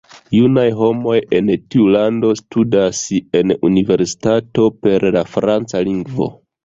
Junaj homoj en tiu lando studas en universitato per la franca lingvo.